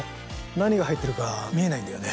何が入ってるか見えないんだよね？